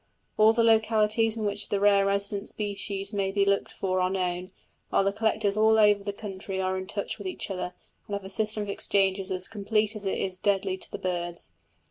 All the localities in which the rare resident species may be looked for are known, while the collectors all over the country are in touch with each other, and have a system of exchanges as complete as it is deadly to the birds.